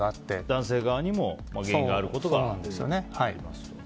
男性側にも原因があることがあると。